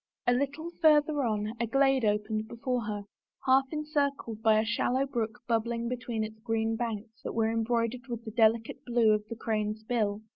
A little farther on a glade opened before her, half encircled by a shallow brook bubbling between its green banks that were embroidered with the delicate blue of the crane's bill.